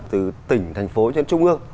từ tỉnh thành phố trên trung ương